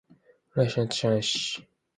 占い師なんて知らないし